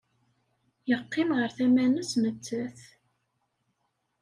Yeqqim ɣer tama-nnes nettat.